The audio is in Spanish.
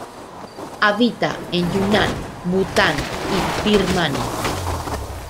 Habita en Yunnan, Bután y Birmania.